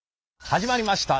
始まりました。